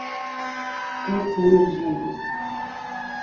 დეცი ჲჷრჟი ლი.